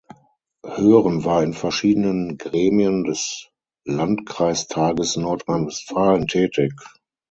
Hoeren war in verschiedenen Gremien des Landkreistages Nordrhein-Westfalen tätig.